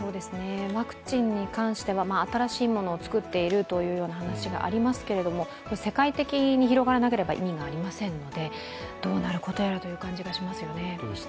ワクチンに関しては、新しいものを作っているというような話がありますけれども、世界的に広がらなければ意味がありませんので、どうなることやらという感じがしますよね。